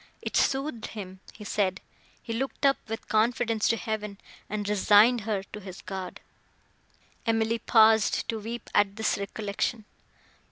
It soothed him, he said; he looked up with confidence to heaven, and resigned her to his God." Emily paused to weep at this recollection.